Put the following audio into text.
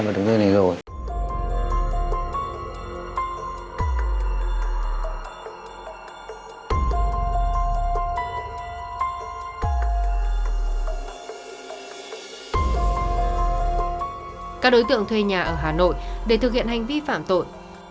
các đối tượng thuê nhà ở hà nội để thực hiện hành vi phạm tội